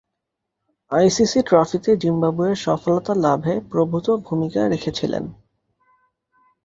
ICC ট্রফিতে জিম্বাবুয়ের সফলতা লাভে প্রভূত ভূমিকা রেখেছিলেন।